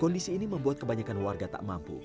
kondisi ini membuat kebanyakan warga tak mampu